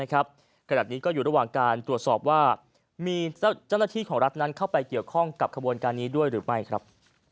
ขณะนี้ก็อยู่ระหว่างการตรวจสอบว่ามีเจ้าหน้าที่ของรัฐนั้นเข้าไปเกี่ยวข้องกับขบวนการนี้ด้วยหรือไม่ครับ